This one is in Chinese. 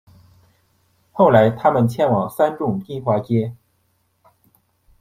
后来他们迁往三重金华街